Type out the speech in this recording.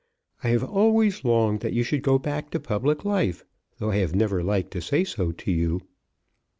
I have always longed that you should go back to public life, though I have never liked to say so to you."